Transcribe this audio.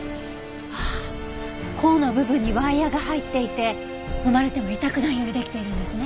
ああ甲の部分にワイヤが入っていて踏まれても痛くないようにできているんですね。